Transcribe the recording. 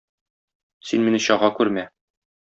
Син мине чага күрмә.